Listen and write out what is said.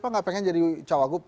pak gak pengen jadi cowok